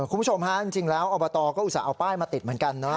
คุณผู้ชมฮะจริงแล้วอบตก็อุตส่าห์เอาป้ายมาติดเหมือนกันนะ